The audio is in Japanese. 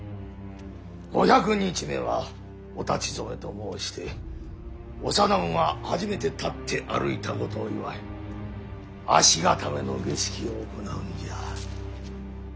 五百日目はお立ち初めと申して幼子が初めて立って歩いたことを祝い足固めの儀式を行うんじゃ。